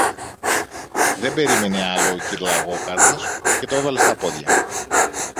Δεν περίμενε άλλο λόγο ο κυρ-Λαγόκαρδος, και το έβαλε στα πόδια.